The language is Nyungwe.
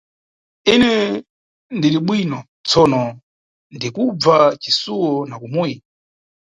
Ine ndiribwino tsono ndikubva cisuwo na kumuyi.